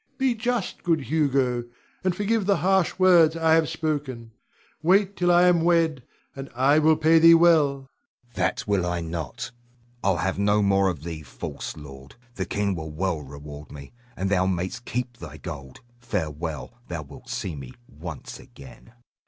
Be just, good Hugo, and forgive the harsh words I have spoken. Wait till I am wed, and I will pay thee well. Hugo. That will I not. I'll have no more of thee, false lord! The king will well reward me, and thou mayst keep thy gold. Farewell! Thou wilt see me once again.